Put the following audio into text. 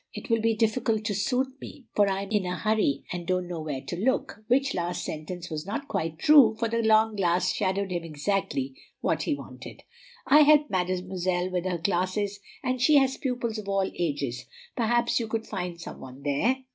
It will be difficult to suit me, for I'm in a hurry and don't know where to look," which last sentence was not quite true, for the long glass showed him exactly what he wanted. "I help Mademoiselle with her classes, and she has pupils of all ages; perhaps you could find some one there."